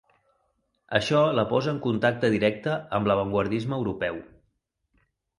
Això la posa en contacte directe amb l'avantguardisme europeu.